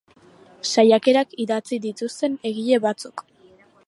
Saiakerak idatzi dituzten egile batzuk.